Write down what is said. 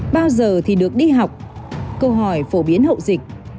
bao giờ thì được đi học câu hỏi phổ biến hậu dịch